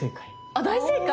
あ大正解